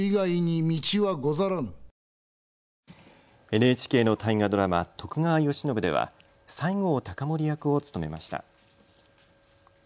ＮＨＫの大河ドラマ、徳川慶喜では西郷隆盛役を務めました。